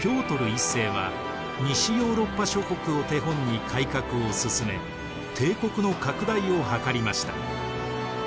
１世は西ヨーロッパ諸国を手本に改革を進め帝国の拡大を図りました。